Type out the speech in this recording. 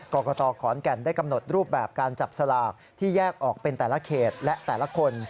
กรกตขอนแก่นได้กำหนดรูปแบบการจับสลากที่แยกออกเป็นแต่ละเขตและแต่ละคน